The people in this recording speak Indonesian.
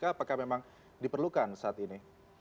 apakah memang diperlukan saat ini